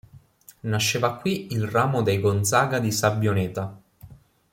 Nasceva qui il ramo dei "Gonzaga di Sabbioneta".